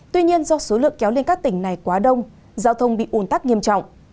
tuy nhiên do số lượng kéo lên các tỉnh này quá đông giao thông bị ủn tắc nghiêm trọng